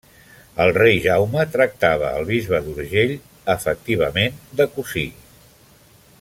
El rei Jaume tractava el bisbe d'Urgell, efectivament, de cosí.